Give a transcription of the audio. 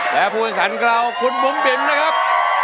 และผู้ขันกล่าวคุณบุ๋มบิ๋มนะครับ